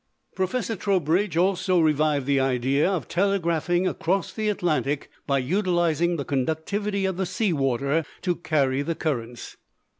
Professor Trowbridge also revived the idea of telegraphing across the Atlantic by utilizing the conductivity of the sea water to carry the currents.